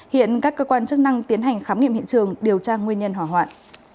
hiện các cơ quan chức năng tiến hành khám nghiệm hiện trường điều tra nguyên nhân hỏa hoạn